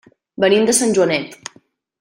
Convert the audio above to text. Venim de Sant Joanet.